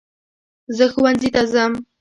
زہ ښوونځي ته ځم